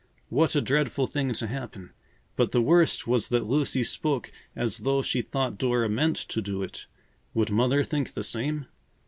What a dreadful thing to happen! But the worst was that Lucy spoke as though she thought Dora meant to do it. Would Mother think the same?